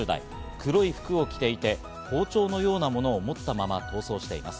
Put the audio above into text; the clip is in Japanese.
黒い服を着ていて、包丁のようなものを持ったまま逃走しています。